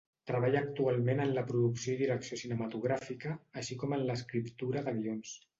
Treballa actualment en la producció i direcció cinematogràfica, així com en l'escriptura de guions.